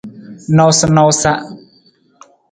Nawusanawusa.